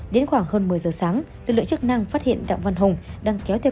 đến khoảng hơn một mươi giờ sáng lực lượng chức năng phát hiện đạng văn hùng đang kéo thẳng